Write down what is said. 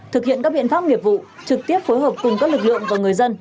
thực hiện các biện pháp nghiệp vụ trực tiếp phối hợp cùng các lực lượng và người dân